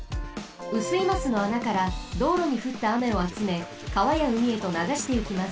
雨水ますの穴からどうろにふったあめをあつめかわやうみへとながしてゆきます。